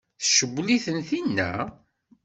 Tcewwel-iten tinna?